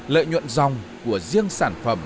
lợi nhuận dòng của riêng sản phẩm